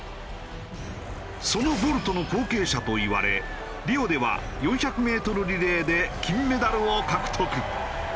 そのボルトの後継者といわれリオでは４００メートルリレーで金メダルを獲得。